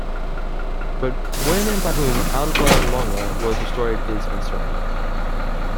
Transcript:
But when and by whom Alba Longa was destroyed is uncertain.